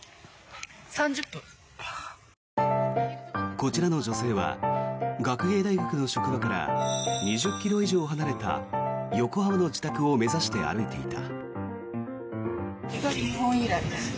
こちらの女性は学芸大学の職場から２０ｋｍ以上離れた横浜の自宅を目指して歩いていた。